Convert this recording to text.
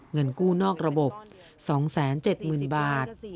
เงินกู้นอกระบบ๒๗๐๐๐บาท